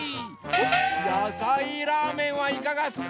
やさいラーメンはいかがすか？